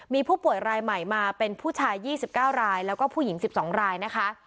มีผู้ป่วยรายใหม่มาเป็นผู้ชาย๒๙รายแล้วก็ผู้หญิง๑๒รายนะคะ